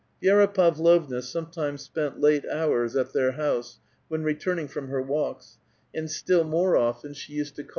Vi^ra Pavlovna sometimes spent late hours at their house when returning from her walks, and still more often she used A VITAL QUESTION. 221 to oa.